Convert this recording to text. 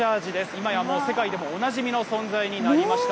今やもう世界でもおなじみの存在になりました。